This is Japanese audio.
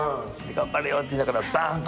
頑張れよって言いながらばーんど